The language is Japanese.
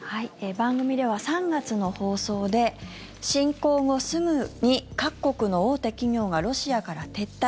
番組では３月の放送で侵攻後すぐに各国の大手企業がロシアから撤退。